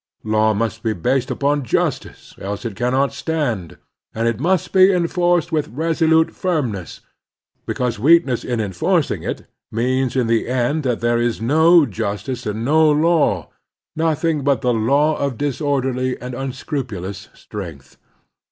Law must be based upon justice, else it cannot stand, and it must be enforced with resolute firmness, because weakness in enforcing it means in the end that there is no justice and no law, nothing but the rule of dis orderly and unscrupulous strength.